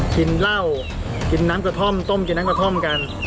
กินเหล้ากินน้ำกระท่อมต้มกินน้ำกระท่อมกัน